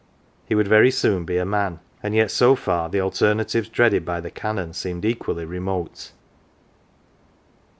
He would very soon be a man ; and yet so far the alternatives dreaded by the Canon seemed equally remote.